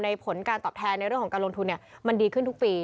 ผลการตอบแทนในเรื่องของการลงทุนมันดีขึ้นทุกปี